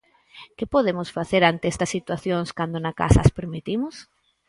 Que podemos facer ante estas situacións cando na casa as permitimos?